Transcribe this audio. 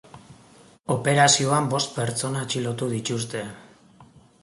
Operazioan bost pertsona atxilotu dituzte.